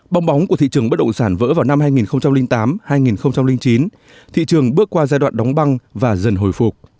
bong bóng của thị trường bất động sản vỡ vào năm hai nghìn tám hai nghìn chín thị trường bước qua giai đoạn đóng băng và dần hồi phục